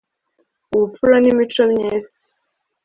ubupfura ni imico myiza